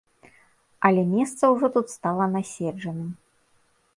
Але месца ўжо тут стала наседжаным.